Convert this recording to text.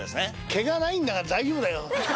毛がないんだから大丈夫だよ。